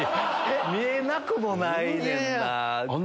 見えなくもないねんな。